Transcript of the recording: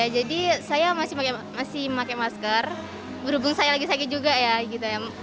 jadi saya masih pakai masker berhubung saya lagi sakit juga ya